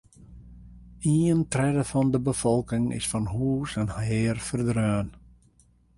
Ien tredde fan de befolking is fan hûs en hear ferdreaun.